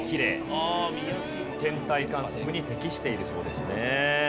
天体観測に適しているそうですね。